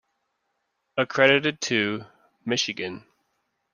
Accredited to: Michigan.